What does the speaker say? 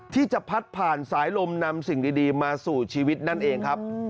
ที่จะพัดผ่านสายลมนำสิ่งดีมาสู่ชีวิตนั่นเองครับ